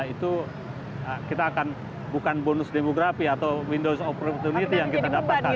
itu kita akan bukan bonus demografi atau windows opportunity yang kita dapatkan